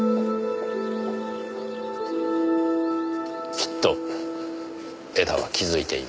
きっと江田は気づいています。